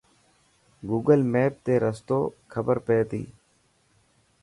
گوگل ميپ تي رستو خبر پئي تي.